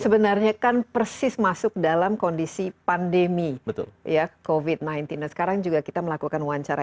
sebenarnya kan persis masuk dalam kondisi pandemi ya covid sembilan belas nah sekarang juga kita melakukan wawancara